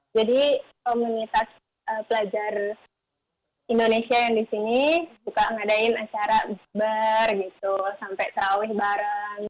jadi komunitas pelajar indonesia yang disini suka ngadain acara ber gitu sampai terawih bareng